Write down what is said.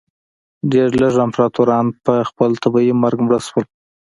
ډېر لږ امپراتوران په خپل طبیعي مرګ مړه شول.